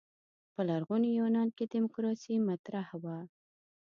په لرغوني یونان کې دیموکراسي مطرح وه.